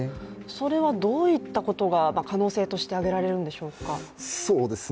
それはどういったことが可能性として挙げられるんでしょうか？